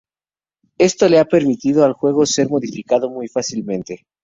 Esto le ha permitido al juego ser modificado muy fácilmente.